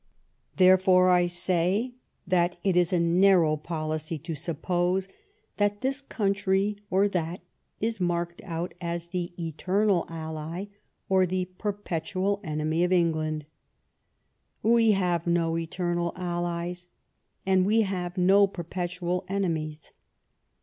Therefore, I say that it is a narrow policy to suppose that this country or that is marked out as ^he eternal ally or the perpetual enemy of England. We have no ^eternal allies, and we have no perpetual enemies.